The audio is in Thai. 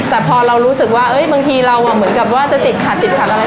แต่พอเรารู้สึกว่าบางทีเราเหมือนกับว่าจะติดขัดติดขัดอะไร